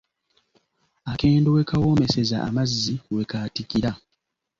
Akendo we kawoomeseza amazzi, we kaatikira.